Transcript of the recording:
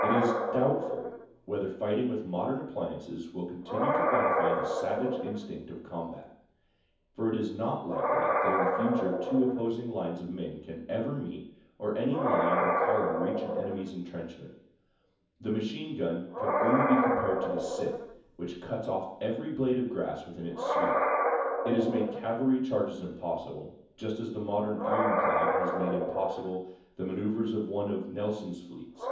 It is doubtful whether fighting with modern appliances will continue to gratify the savage instinct of combat; for it is not likely that in the future two opposing lines of men can ever meet, or any line or column reach an enemy's intrenchments. The machine gun can only be compared to the scythe, which cuts off every blade of grass within its sweep. It has made cavalry charges impossible, just as the modern ironclad has made impossible the manœuvers of one of Nelson's fleets.